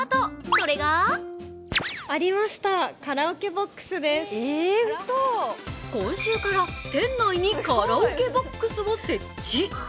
それが今週から店内にカラオケボックスを設置。